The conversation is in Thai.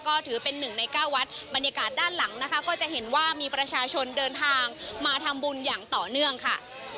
ก็ถือเป็นหนึ่งในเก้าวัดบรรยากาศด้านหลังนะคะก็จะเห็นว่ามีประชาชนเดินทางมาทำบุญอย่างต่อเนื่องค่ะ